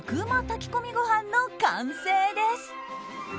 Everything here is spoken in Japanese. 炊き込みごはんの完成です。